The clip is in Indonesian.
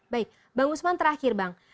baik bang usman terakhir bang